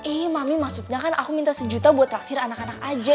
eh mami maksudnya kan aku minta sejuta buat takdir anak anak aja